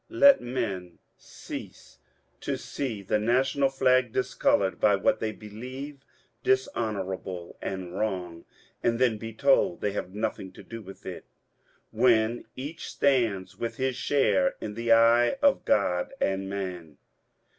Let men cease to see the national flag discoloured oy what they believe dishon curable and wrong, and then be told they have nothing to do with it, when each stands with his share in the eye of God and man